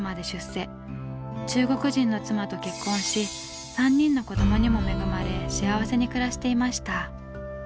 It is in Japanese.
中国人の妻と結婚し３人の子どもにも恵まれ幸せに暮らしていました。